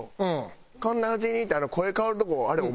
「こんな地球に」ってあの声変わるとこあれお前？